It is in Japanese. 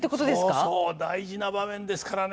そうそう大事な場面ですからね。